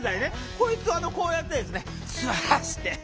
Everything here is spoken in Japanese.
こいつをこうやってですね座らせて。